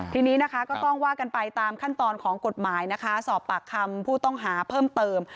ทีนี้นะคะก็ต้องว่ากันไปตามขั้นตอนของกฎหมายนะคะสอบปากคำผู้ต้องหาเพิ่มเติม